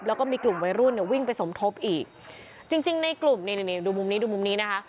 แล้วก็มีกลุ่มวัยรุ่นเนี่ยวิ่งไปสมทบอีกจริงจริงในกลุ่มนี่นี่ดูมุมนี้ดูมุมนี้นะคะ